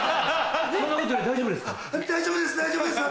そんなことより大丈夫ですか？